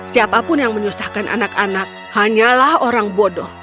siapapun yang menyusahkan anak anak hanyalah orang bodoh